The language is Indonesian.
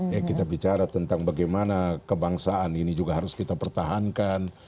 ya kita bicara tentang bagaimana kebangsaan ini juga harus kita pertahankan